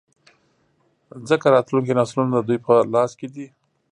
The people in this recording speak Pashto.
ځـکـه راتـلونکي نـسلونه د دوي پـه لاس کـې دي.